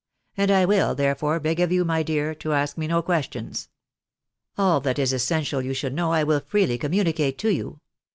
And I will, therefore, beg of you, my dear, to ask me no questions. All that is essential you should know I will freely communicate to you.